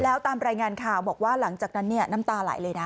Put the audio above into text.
แล้วตามรายงานข่าวบอกว่าหลังจากนั้นเนี่ยน้ำตาไหลเลยนะ